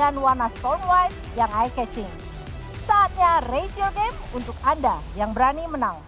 nah kali ini tapi aku mau ngobrolnya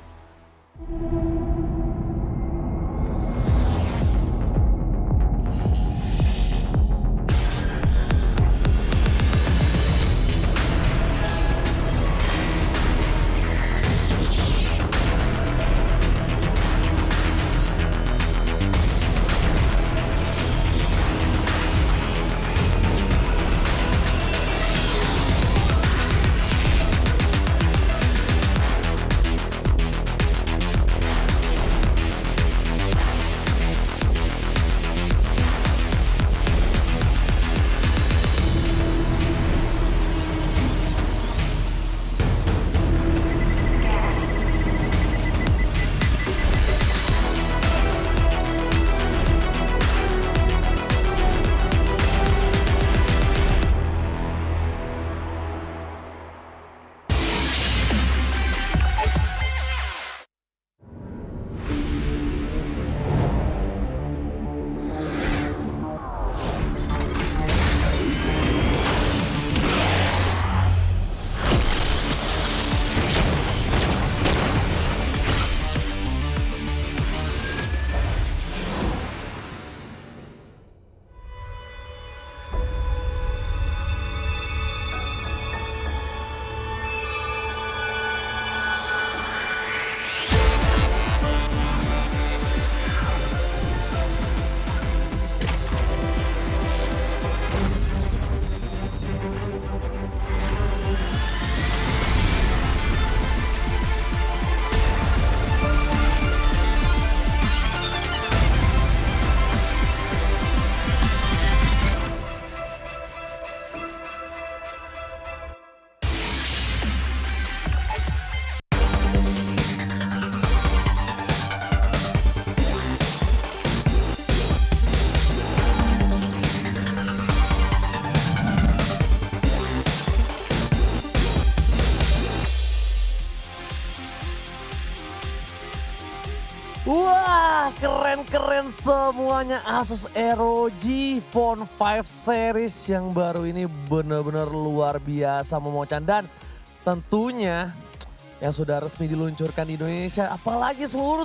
sama mas uasa nih